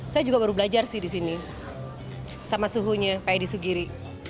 saya juga baru belajar sih di sini sama suhunya kayak di sugiri